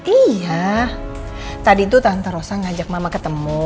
iya tadi tuh tante rosa ngajak mama ketemu